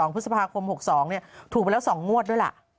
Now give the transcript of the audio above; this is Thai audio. พฤษภาคม๖๒ถูกไปแล้ว๒งวดด้วยล่ะ